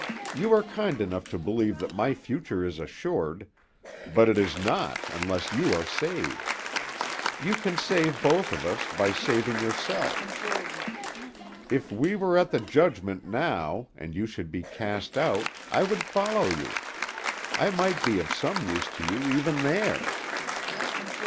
"You are kind enough to believe that my future is assured, but it is not unless you are saved. You can save both of us by saving yourself. If we were at the judgment now, and you should be cast out, I would follow you. I might be of some use to you even there."